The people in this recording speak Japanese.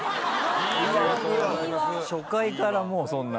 初回からもうそんな。